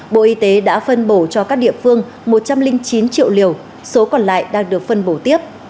bộ y tế đã phân bổ cho các địa phương một trăm linh chín triệu liều số còn lại đang được phân bổ tiếp